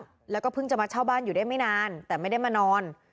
แล้วก็เพิ่งจะมาเช่าบ้านอยู่ได้ไม่นานแต่ไม่ได้มานอน